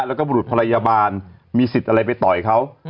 แล้วก็บุรุษพยาบาลมีสิทธิ์อะไรไปต่อยเขา